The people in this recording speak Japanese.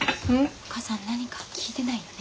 お母さん何か聞いてないよね？